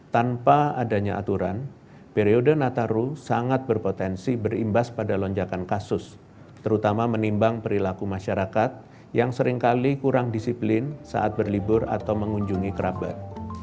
tanpa adanya aturan periode nataru sangat berpotensi berimbas pada lonjakan kasus terutama menimbang perilaku masyarakat yang seringkali kurang disiplin saat berlibur atau mengunjungi kerabat